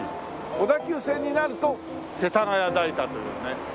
小田急線になると世田谷代田というね。